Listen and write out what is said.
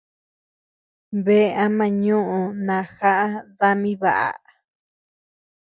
Bea ama ñoʼo najaʼa dami baʼa.